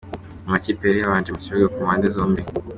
Amakipe yari yabanje mu kibuga ku mpande zombi.